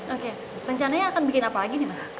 oke rencananya akan bikin apa lagi nih mas